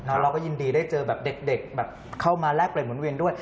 เราก็ยินดีได้เจอแบบเด็กแบบเข้ามาแลกเปลี่ยนหมุนเวียนด้วย